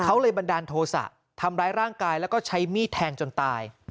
เขาเลยบันดาลโทษะทำร้ายร่างกายแล้วก็ใช้มีดแทงจนตาย